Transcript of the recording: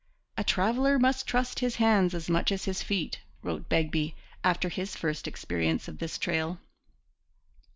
'A traveller must trust his hands as much as his feet,' wrote Begbie, after his first experience of this trail.